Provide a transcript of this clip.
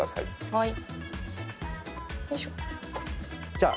はい。